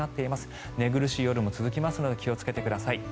寝苦しい夜が続きますので気をつけてください。